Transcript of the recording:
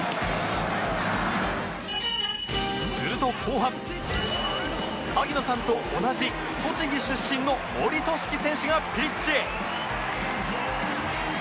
すると後半萩野さんと同じ栃木出身の森俊貴選手がピッチへ